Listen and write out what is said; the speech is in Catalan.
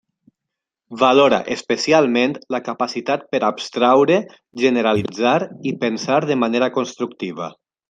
Valora especialment la capacitat per a abstraure, generalitzar i pensar de manera constructiva.